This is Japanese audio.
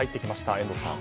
遠藤さん。